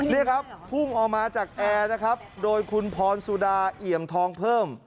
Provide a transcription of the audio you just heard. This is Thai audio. นี่ครับพุ่งออกมาจากแอร์นะครับโดยคุณพรสุดาเอี่ยมทองเพิ่ม